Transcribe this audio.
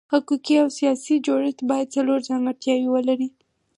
حقوقي او سیاسي جوړښت باید څلور ځانګړتیاوې ولري.